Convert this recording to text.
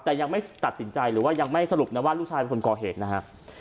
แต่ยังไม่ตัดสินใจหรือว่ายังไม่สรุปนะว่าลูกชายเป็นคนก่อเหตุนะฮะ